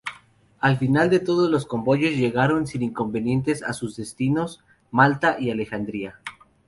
Al final, todos los convoyes llegaron sin inconvenientes a sus destinos: Malta y Alejandría.